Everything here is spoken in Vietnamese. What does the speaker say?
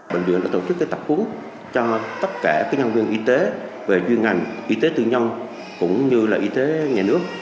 bệnh viện đã tổ chức tập hướng cho tất cả nhân viên y tế về chuyên ngành y tế tư nhân cũng như y tế nhà nước